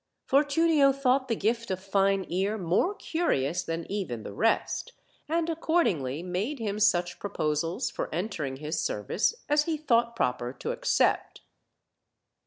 Fortunio thought the gift of Fine ear more curious than even the rest, and accordingly made him such pro posals for entering his serivce as he thought proper to accept.